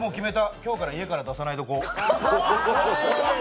今日から家から出さないどこ。